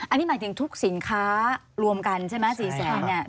อันนี้หมายถึงทุกสินค้ารวมกันใช่ไหม๔แสนเนี่ย